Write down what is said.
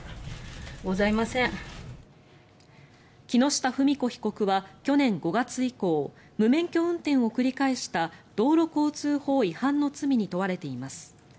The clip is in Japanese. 木下富美子被告は去年５月以降無免許運転を繰り返した道路交通法違反の罪に問われています。